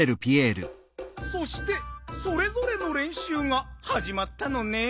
そしてそれぞれのれんしゅうがはじまったのねん。